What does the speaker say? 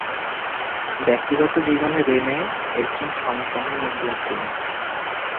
ব্যক্তিগত জীবনে রেনে একজন সমকামী মহিলা ছিলেন।